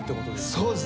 そうです